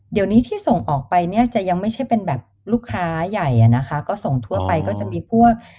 เดี๋ยวนี้ที่ส่งออกไปเนี่ยจะยังไม่ใช่เป็นแบบลูกค้าใหญ่อ่ะนะคะก็ส่งทั่วไปก็จะมีพวก